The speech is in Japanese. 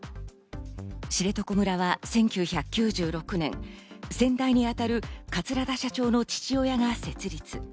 しれとこ村は１９９６年、先代に当たる桂田社長の父親が設立。